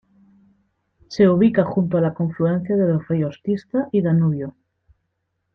Se ubica junto a la confluencia de los ríos Tisza y Danubio.